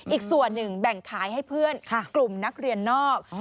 อีกส่วนหนึ่งแบ่งขายให้เพื่อนกลุ่มนักเรียนนอก